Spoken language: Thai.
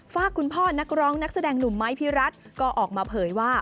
ฝากคุณพ่อนักร้องนักแสดงหนุ่มไม้พี่รัฐก็ออกมาเผยว่า